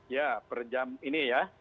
ya per jam ini ya